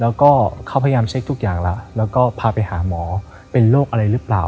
แล้วก็เขาพยายามเช็คทุกอย่างแล้วแล้วก็พาไปหาหมอเป็นโรคอะไรหรือเปล่า